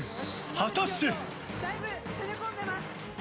果たして。